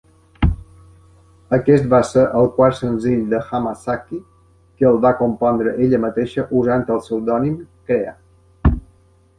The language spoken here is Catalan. Aquest va ser el quart senzill de Hamasaki que el va compondre ella mateixa usant el pseudònim "Crea".